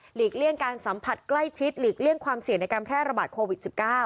เลี่ยงการสัมผัสใกล้ชิดหลีกเลี่ยงความเสี่ยงในการแพร่ระบาดโควิด๑๙